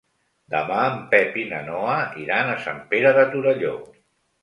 Demà en Pep i na Noa iran a Sant Pere de Torelló.